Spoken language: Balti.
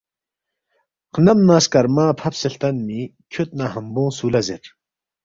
خنم نہ سکرمہ فابسے ہلتانمی کھیود نہ حمبونگ سُو لا زیر